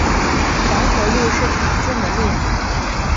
黄河路是常见的路名。